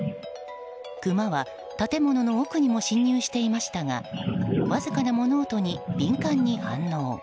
クマは建物の奥にも侵入していましたがわずかな物音に敏感に反応。